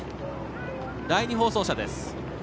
第２放送車です。